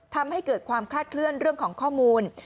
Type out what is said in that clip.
ทำให้เกิดความคลาดเคลื่อนเรื่องของข้อมูล